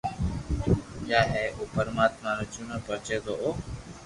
جائي ھي او پتماتما جنو پوچي تو او